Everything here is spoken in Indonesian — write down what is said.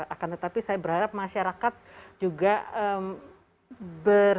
akan tetapi saya berharap masyarakat juga bisa menghargai dan menangani masyarakat yang berpengaruh